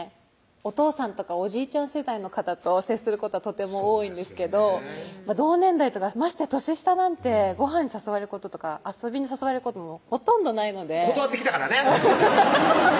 お父さんとかおじいちゃん世代の方と接することとても多いんですけど同年代とかましてや年下なんてごはんに誘われることとか遊びに誘われることもほとんどないので断ってきたからね！